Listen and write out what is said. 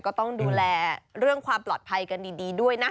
ก็ต้องดูแลเรื่องความปลอดภัยกันดีด้วยนะ